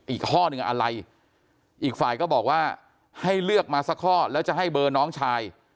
อีกข้อหนึ่งอะไรอีกฝ่ายก็บอกว่าให้เลือกมาสักข้อแล้วจะให้เบอร์น้องชาย